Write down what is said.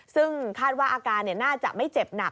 ซึ่งคาดว่าอาการน่าจะไม่เจ็บหนัก